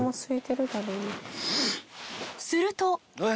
すると。